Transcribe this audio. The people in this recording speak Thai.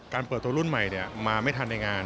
เปิดตัวรุ่นใหม่มาไม่ทันในงาน